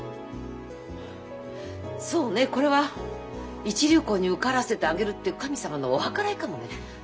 そうねこれは一流校に受からせてあげるっていう神様のお計らいかもね。